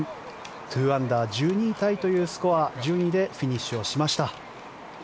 ２アンダー１２位タイというスコア、順位でフィニッシュをしました。